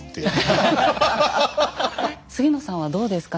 杉野さんはどうですか？